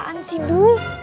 apaan sih du